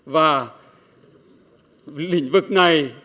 và lĩnh vực này